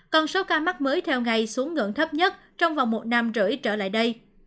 còn số ca mắc mới theo ngày xuống ngưỡng thấp nhất trong vòng một năm rưỡi trở lại đây